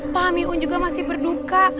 pak amiun juga masih berduka